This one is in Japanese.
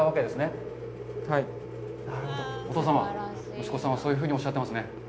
お父様、息子さんはそういうふうにおっしゃってますね。